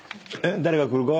誰が来るかは。